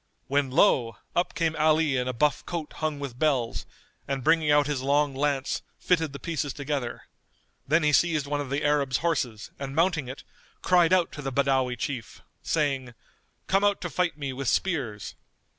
when, lo! up came Ali in a buff coat hung with bells, and bringing out his long lance, fitted the pieces together. Then he seized one of the Arab's horses and mounting it cried out to the Badawi Chief, saying, "Come out to fight me with spears!"